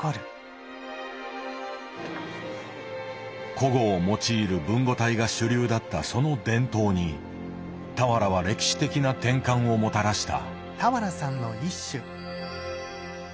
古語を用いる文語体が主流だったその伝統に俵は歴史的な転換をもたらした。